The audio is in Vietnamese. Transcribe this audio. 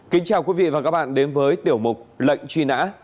kính chào quý vị và các bạn đến với tiểu mục lệnh truy nã